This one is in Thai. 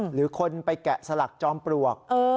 หรือคนไปแกะสลักจอมปลวก